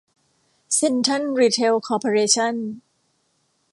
เซ็นทรัล รีเทล คอร์ปอเรชั่น